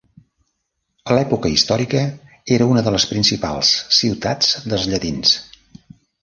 A l'època històrica era una de les principals ciutats dels llatins.